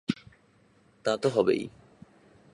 তা তো হবেই।